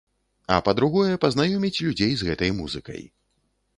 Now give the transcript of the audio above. А па-другое, пазнаёміць людзей з гэтай музыкай.